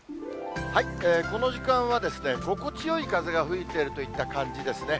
この時間は心地よい風が吹いてるといった感じですね。